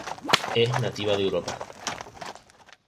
Es nativa de Europa.